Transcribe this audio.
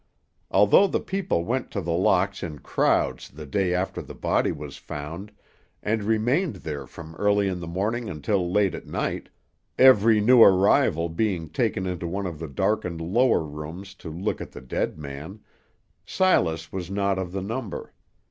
Although the people went to The Locks in crowds the day after the body was found, and remained there from early in the morning until late at night, every new arrival being taken into one of the darkened lower rooms to look at the dead man, Silas was not of the number.